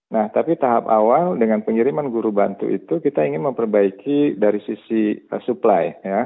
nah tapi tahap awal dengan pengiriman guru bantu itu kita ingin memperbaiki dari sisi supply